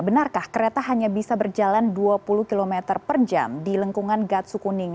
benarkah kereta hanya bisa berjalan dua puluh km per jam di lengkungan gatsu kuning